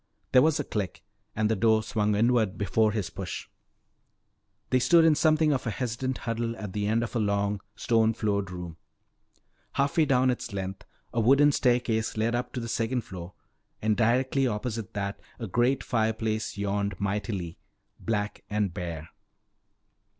There was a click and the door swung inward before his push. "The Long Hall!" They stood in something of a hesitant huddle at the end of a long stone floored room. Half way down its length a wooden staircase led up to the second floor, and directly opposite that a great fireplace yawned mightily, black and bare.